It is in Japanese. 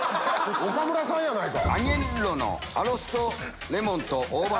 岡村さんやないか。